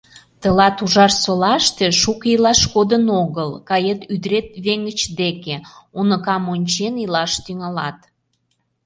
Тылат Ужарсолаште шуко илаш кодын огыл, кает ӱдырет-веҥыч деке, уныкам ончен илаш тӱҥалат.